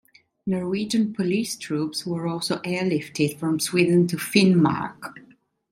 Norwegian police troops were also airlifted from Sweden to Finnmark.